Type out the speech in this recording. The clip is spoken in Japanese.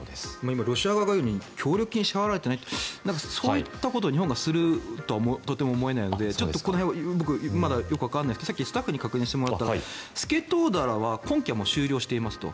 今、ロシア側が言うように協力金が支払われていないってそういったことを日本がするとはとても思えないのでちょっとこの辺は僕、まだよくわからないんですがさっきスタッフに聞いてみたらスケトウダラは今季はもう終了していますと。